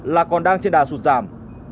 là còn đang trên đà sụt giảm